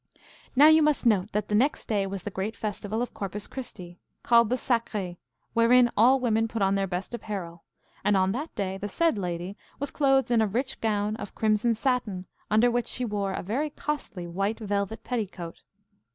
Now you must note that the next day was the great festival of Corpus Christi, called the Sacre, wherein all women put on their best apparel, and on that day the said lady was clothed in a rich gown of crimson satin, under which she wore a very costly white velvet petticoat.